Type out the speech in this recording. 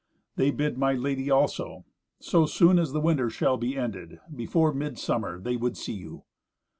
They bid my Lady also. So soon as the winter shall be ended, before midsummer, they would see you."